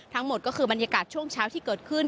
ทั้งหมดก็คือบรรยากาศช่วงเช้าที่เกิดขึ้น